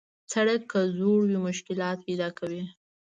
سړک که زوړ وي، مشکلات پیدا کوي.